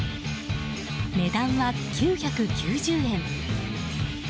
値段は９９０円。